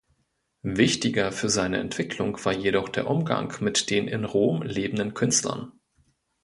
Wichtiger für seine Entwicklung war jedoch der Umgang mit den in Rom lebenden Künstlern.